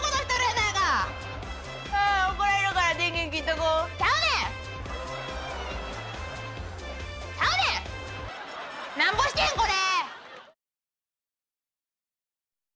なんぼしてんこれ！